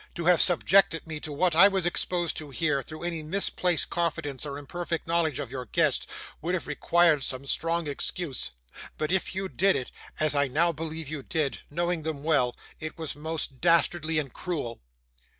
To have subjected me to what I was exposed to here, through any misplaced confidence or imperfect knowledge of your guests, would have required some strong excuse; but if you did it as I now believe you did knowing them well, it was most dastardly and cruel.